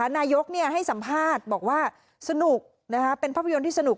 นายกให้สัมภาษณ์บอกว่าสนุกเป็นภาพยนตร์ที่สนุก